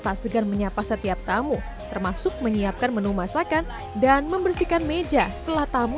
tak segan menyapa setiap tamu termasuk menyiapkan menu masakan dan membersihkan meja setelah tamu